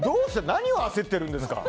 何を焦ってるんですか？